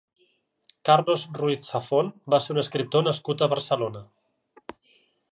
Carlos Ruiz Zafón va ser un escriptor nascut a Barcelona.